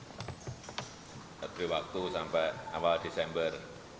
sambil waktu sampai awal desember